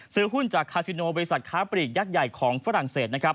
ซื้อหุ้นจากคาซิโนบริษัทค้าปลีกยักษ์ใหญ่ของฝรั่งเศสนะครับ